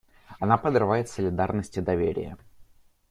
Она подрывает солидарность и доверие.